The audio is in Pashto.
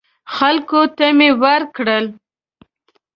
خلکو ته مې ورکړل.